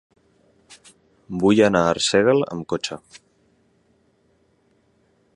Vull anar a Arsèguel amb cotxe.